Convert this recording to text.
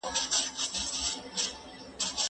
ایا ته غواړې چې تل زما ملګرې پاتې شې؟